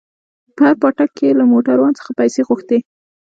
په هر پاټک کښې يې له موټروان څخه پيسې غوښتې.